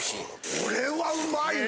これはうまいな！